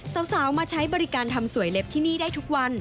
สาวมาใช้บริการทำสวยเล็บที่นี่ได้ทุกวัน